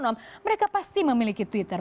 mereka pasti memiliki twitter